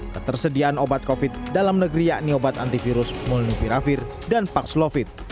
ketersediaan obat covid dalam negeri yakni obat antivirus molnupiravir dan pakslovid